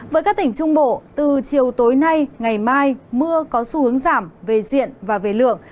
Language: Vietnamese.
với các tỉnh trung bộ từ chiều tối nay ngày mai mưa có xu hướng giảm về diện và về lượng